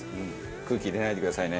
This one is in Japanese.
空気入れないでくださいね。